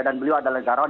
dan beliau adalah negarawan